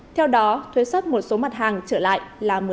theo đó thuế xuất một số mặt hàng trở lại là một